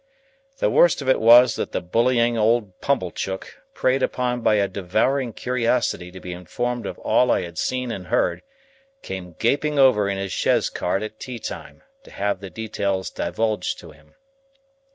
The worst of it was that that bullying old Pumblechook, preyed upon by a devouring curiosity to be informed of all I had seen and heard, came gaping over in his chaise cart at tea time, to have the details divulged to him.